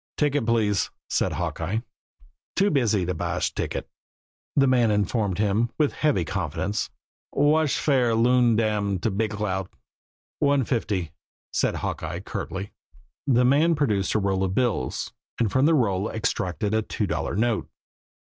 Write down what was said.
"Ticket, please," said Hawkeye. "Too busy to buysh ticket," the man informed him, with heavy confidence. "Whash fare Loon Dam to Big Cloud?" "One fifty," said Hawkeye curtly. The man produced a roll of bills, and from the roll extracted a two dollar note.